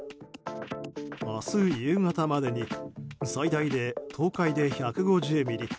明日夕方までに最大で東海で１５０ミリ